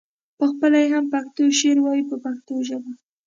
پخپله یې هم پښتو شعر وایه په پښتو ژبه.